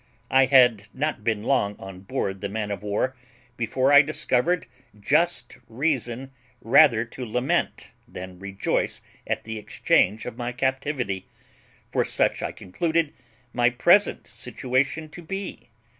"I had not been long on board the man of war before I discovered just reason rather to lament than rejoice at the exchange of my captivity; for such I concluded my present situation to be.